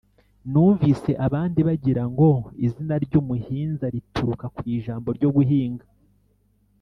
numvise abandi bagirango izina ry’umuhinza rituruka kw’ijambo ryo guhinga.